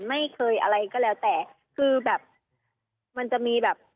ไม่เคยอะไรก็แล้วแต่คือแบบมันจะมีแบบ